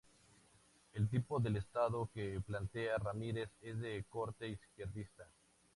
El tipo de Estado que plantea Ramírez es de corte izquierdista.